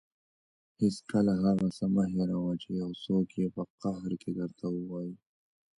هېڅکله هغه څه مه هېروه چې یو څوک یې په قهر کې درته وايي.